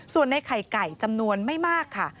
ส่วนในไข่ไก่จำนวนไม่มากค่ะ